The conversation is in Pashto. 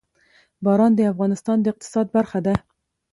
باران د افغانستان د اقتصاد برخه ده.